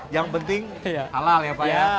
yang penting halal ya pak ya